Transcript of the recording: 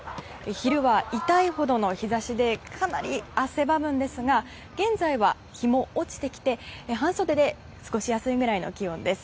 昼は痛いほどの日差しでかなり汗ばむんですが現在は日も落ちてきて半袖で過ごしやすいぐらいの気温です。